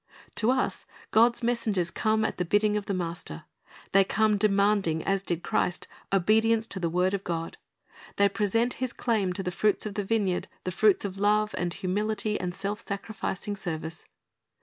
To us God's messengers come at the bidding of the Master. They come demanding, as did Christ, obedience to the word of God. They present His claim to the fruits of the vineyard, the fruits of love, and humility, and self sacrificing service.